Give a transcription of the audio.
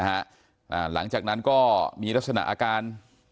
หลังจากนั้นก็มีลักษณะอาการ